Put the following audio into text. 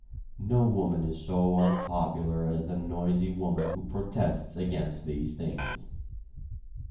No woman is so unpopular as the noisy woman who protests against these things.